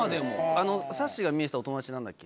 あのさっしーが見えてたお友達なんだっけ？